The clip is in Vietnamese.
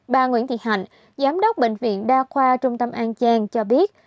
bà nguyễn thị hạnh giám đốc bệnh viện đa khoa trung tâm an giang cho biết